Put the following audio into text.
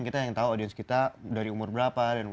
kita yang tahu audiens kita dari umur berapa